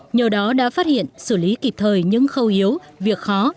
nhờ đó đã phát hiện xử lý kịp thời những khâu yếu việc khó